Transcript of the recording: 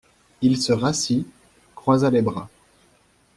Il se rassit, croisa les bras.